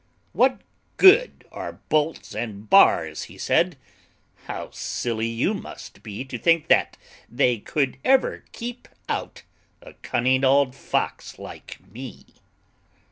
"What good are bolts and bars?" he said, "How silly you must be To think that they could ever keep out A cunning old Fox like me!"